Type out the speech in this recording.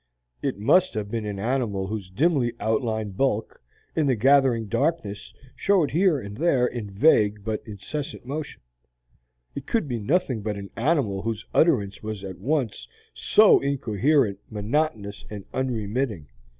It must have been an animal whose dimly outlined bulk, in the gathering darkness, showed here and there in vague but incessant motion; it could be nothing but an animal whose utterance was at once so incoherent, monotonous, and unremitting.